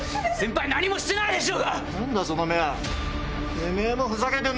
⁉先輩何もしてないでしょうが！